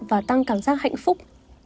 và tăng cảm giác hạnh phúc